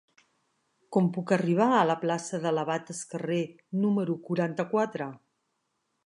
Com puc arribar a la plaça de l'Abat Escarré número quaranta-quatre?